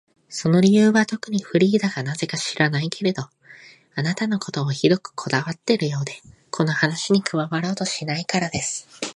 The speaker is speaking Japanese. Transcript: その理由はとくに、フリーダがなぜか知らないけれど、あなたのことをひどくこわがっているようで、この話に加わろうとしないからです。